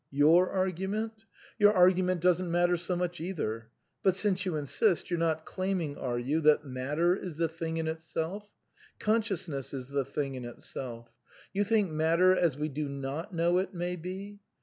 Your argu ment? Your argument doesn't matter so much, either; but — since you insist — you're not claiming, are you, that matter is the Thing in Itself ? Consciousness is the v Thing in Itself. You think matter as we do not know it^ may be?